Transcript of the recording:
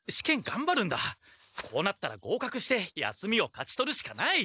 こうなったらごうかくして休みを勝ち取るしかない！